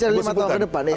saya lima tahun